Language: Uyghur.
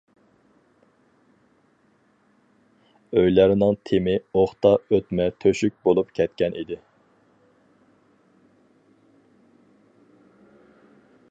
ئۆيلەرنىڭ تېمى ئوقتا ئۆتمە تۆشۈك بولۇپ كەتكەن ئىدى.